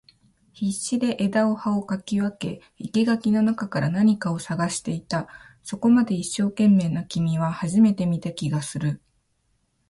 必死で枝を葉を掻き分け、生垣の中から何かを探していた。そこまで一生懸命な君は初めて見た気がする。